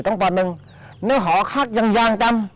nếu họ khác dần dàng trăm